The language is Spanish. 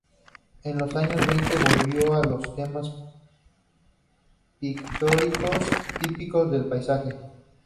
En los años veinte volvió a los temas pictóricos típicos del paisaje.